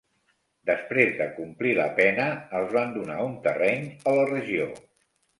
Després de complir la pena, els van donar un terreny a la regió.